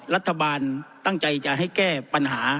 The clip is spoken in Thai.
รัฐบาลตั้งใจจะให้แก้ปัญหา